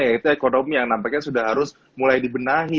yaitu ekonomi yang nampaknya sudah harus mulai dibenahi